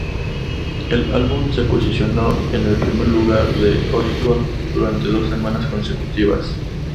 El álbum se posicionó en el primer lugar de Oricon durante dos semanas consecutivas.